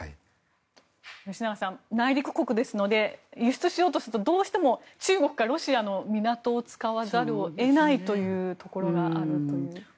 吉永さん、内陸国ですので輸出しようとするとどうしても中国かロシアの港を使わざるを得ないというところがあるという。